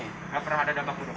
tidak pernah ada dampak buruk